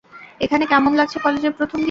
এখানে কেমন লাগছে কলেজের প্রথমদিন।